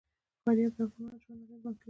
فاریاب د افغانانو ژوند اغېزمن کوي.